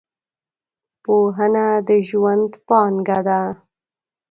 پوهنه د ژوند پانګه ده .